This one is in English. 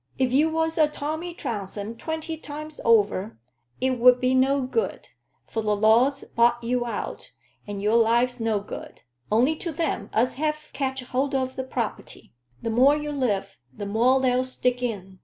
If you was a Tommy Trounsem twenty times over, it 'ud be no good, for the law's bought you out; and your life's no good, only to them as have catched hold o' the property. The more you live, the more they'll stick in.